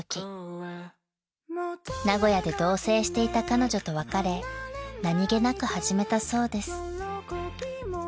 ［名古屋で同棲していた彼女と別れ何げなく始めたそうです］